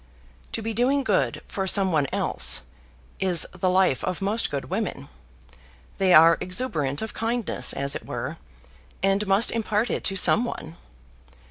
To be doing good for some one else, is the life of most good women. They are exuberant of kindness, as it were, and must impart it to some one.